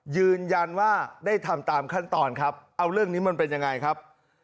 ยืนยันว่าได้ทำตามขั้นตอนครับเอาเรื่องนี้มันเป็นยังไงครับ